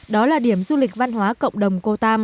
đó là điểm du lịch văn hóa cộng đồng